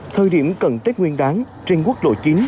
thời điểm cần tết nguyên đán trên quốc lộ chín